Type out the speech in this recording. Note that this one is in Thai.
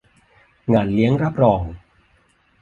งานเลี้ยงรับรอง